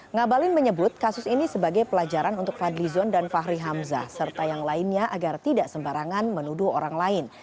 ngabalin menyebut kasus ini sebagai pelajaran untuk fadli zon dan fahri hamzah serta yang lainnya agar tidak sembarangan menuduh orang lain